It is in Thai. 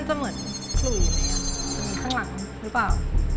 มันจะเหมือนคุยมีข้างหลังหรือเปล่า